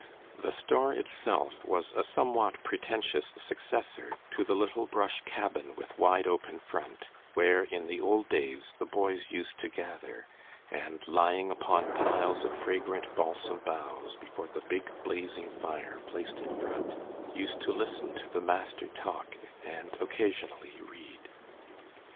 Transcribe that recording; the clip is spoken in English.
The store itself was a somewhat pretentious successor to the little brush cabin with wide open front, where in the old days the boys used to gather, and lying upon piles of fragrant balsam boughs before the big blazing fire placed in front, used to listen to the master talk, and occasionally read.